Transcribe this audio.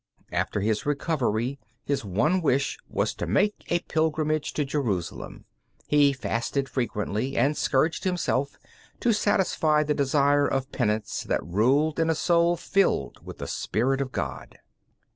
After his recovery his one wish was to make a pilgrimage to Jerusalem. He fasted frequently and scourged himself to satisfy the desire of penance that ruled in a soul filled with the spirit of God.